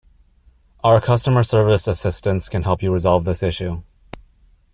Our customer service assistants can help you resolve this issue.